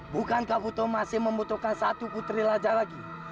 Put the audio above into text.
bukan kau tahu masih membutuhkan satu putri laja lagi